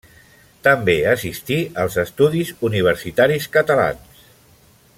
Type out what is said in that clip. També assistí als Estudis Universitaris Catalans.